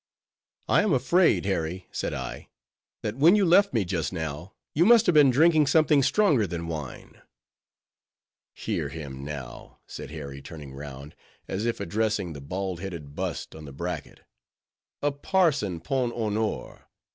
"I am afraid, Harry," said I, "that when you left me just now, you must have been drinking something stronger than wine." "Hear him now," said Harry, turning round, as if addressing the bald headed bust on the bracket,—"a parson 'pon honor!